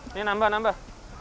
ini nambah nambah